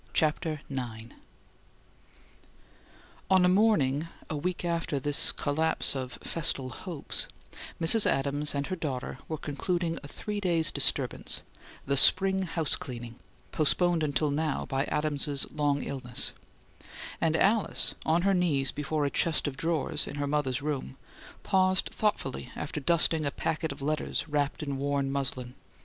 CHAPTER IX On a morning, a week after this collapse of festal hopes, Mrs. Adams and her daughter were concluding a three days' disturbance, the "Spring house cleaning" postponed until now by Adams's long illness and Alice, on her knees before a chest of drawers, in her mother's room, paused thoughtfully after dusting a packet of letters wrapped in worn muslin.